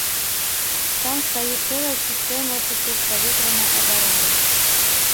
Там стаіць цэлая сістэма супрацьпаветранай абароны!